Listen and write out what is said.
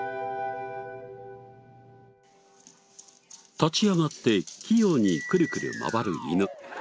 立ち上がって器用にクルクル回る犬。